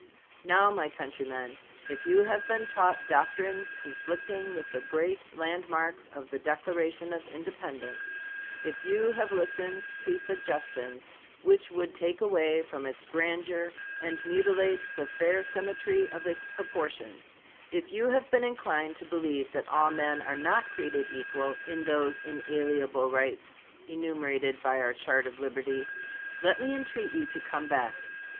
Now, my countrymen, if you have been taught doctrines conflicting with the great landmarks of the Declaration of Independence; if you have listened to suggestions which would take away from its grandeur and mutilate the fair symmetry of its proportions; if you have been inclined to believe that all men are not created equal in those inalienable rights enumerated by our chart of liberty, let me entreat you to come back.